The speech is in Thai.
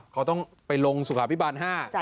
เขาต้องไปลงสุขาพิบาล๕